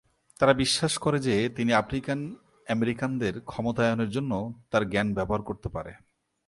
তারা বিশ্বাস করে যে তিনি আফ্রিকান আমেরিকানদের ক্ষমতায়নের জন্য তার জ্ঞান ব্যবহার করতে পারে।